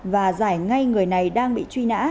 và giải ngay người này đang bị truy nã